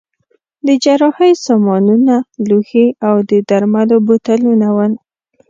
د جراحۍ سامانونه، لوښي او د درملو بوتلونه ول.